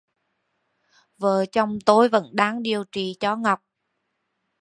Vợ chồng tôi vẫn đang điều trị cho Ngọc